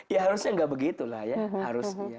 ya harusnya nggak begitu lah ya harusnya